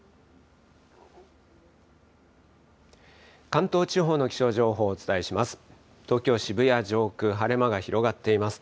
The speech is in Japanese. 関東地方の気象情報をお伝えします。